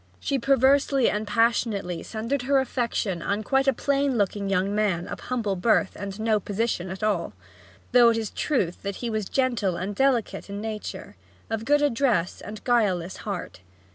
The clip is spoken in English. She perversely and passionately centred her affection on quite a plain looking young man of humble birth and no position at all; though it is true that he was gentle and delicate in nature, of good address, and guileless heart.